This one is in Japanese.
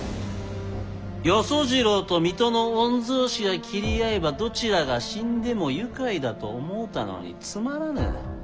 与惣次郎と水戸の御曹司が斬り合えばどちらが死んでも愉快だと思うたのにつまらぬ。